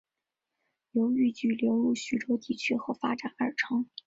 由豫剧流入徐州地区后发展而成。